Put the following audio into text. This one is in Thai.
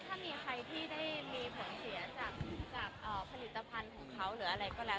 ถ้ามีใครที่ได้มีผลเสียจากผลิตภัณฑ์ของเขาหรืออะไรก็แล้ว